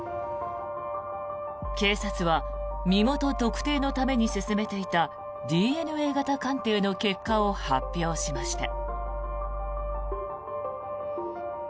警察は身元特定のために進めていたＤＮＡ型鑑定の結果を発表しました。